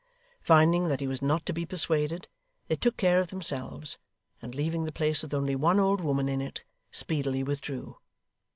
Finding that he was not to be persuaded, they took care of themselves; and leaving the place with only one old woman in it, speedily withdrew.